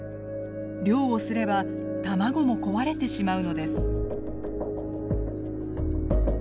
漁をすれば卵も壊れてしまうのです。